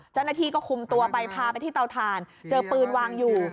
เจ้าหน้าที่ก็คุมตัวไปพาไปที่เตาถ่านเจอปืนวางอยู่